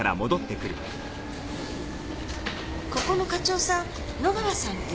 ここの課長さん野川さんっていうの？